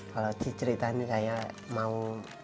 kalau diceritain saya mau